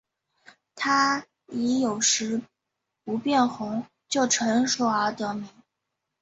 它以有时不变红就成熟而得名。